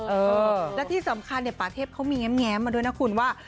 เออและที่สำคัญเนี่ยป่าเทพเขามีแง้มมาด้วยนะคุณว่า